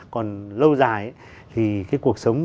còn lâu dài thì cái cuộc sống